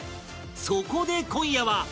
そこで今夜は